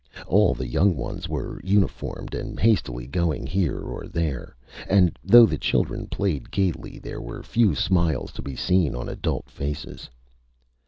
All the young ones were uniformed and hastily going here or there. And though the children played gaily, there were few smiles to be seen on adult faces.